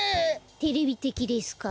テレビてきですか？